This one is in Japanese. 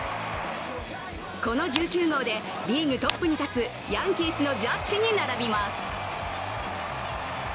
この１９号でリーグトップに立つヤンキースのジャッジに並びます。